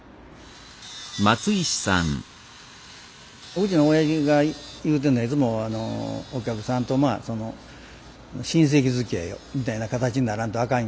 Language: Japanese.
うちの親父が言うてんのはいつも「お客さんと親戚づきあいみたいな形にならんとあかん」